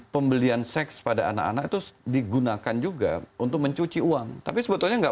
pembelian seks pada anak anak itu digunakan juga untuk mencuci uang tapi sebetulnya nggak